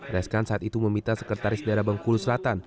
reskan saat itu meminta sekretaris daerah bengkulu selatan